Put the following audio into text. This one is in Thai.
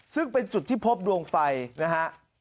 ซึ่งเป็นจุดที่พบดวงไฟนะฮะ